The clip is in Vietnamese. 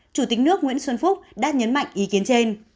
chủ tịch nước nguyễn xuân phúc đã nhấn mạnh ý kiến trên